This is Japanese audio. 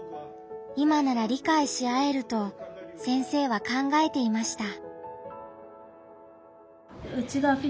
今なら理解し合えると先生は考えていました。